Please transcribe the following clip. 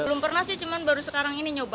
belum pernah sih cuma baru sekarang ini nyoba